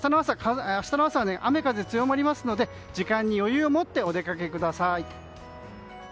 明日の朝は雨風が強まりますので時間に余裕を持ってお出かけください。